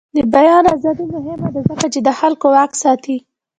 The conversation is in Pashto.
د بیان ازادي مهمه ده ځکه چې د خلکو واک ساتي.